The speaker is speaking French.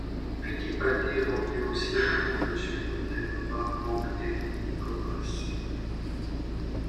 Fittipaldi rentre lui aussi à la boucle suivante et repart Morbidelli et Comas.